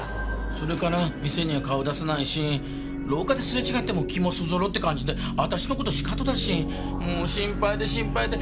それから店には顔出さないし廊下ですれ違っても気もそぞろって感じで私の事シカトだしもう心配で心配で。